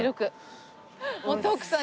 もう徳さん